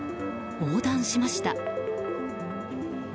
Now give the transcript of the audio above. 横断しました。